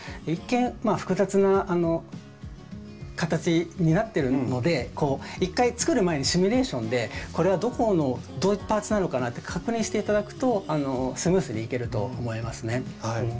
一見複雑な形になってるので一回作る前にシミュレーションでこれはどこのどういうパーツなのかなって確認して頂くとスムースにいけると思いますね。